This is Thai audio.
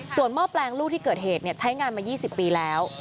ส่วนหม้อแปลงลูกที่เกิดเหตุใช้งานมา๒๐ปีแล้ว